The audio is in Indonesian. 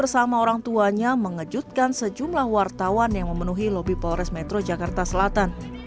bersama orang tuanya mengejutkan sejumlah wartawan yang memenuhi lobi polres metro jakarta selatan